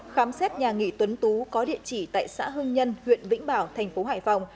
khám xét nhà nghỉ tuấn tú có địa chỉ tại xã hưng nhân huyện vĩnh bảo thành phố hải phòng